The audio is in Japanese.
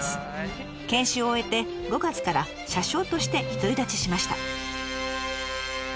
研修を終えて５月から車掌として独り立ちしました。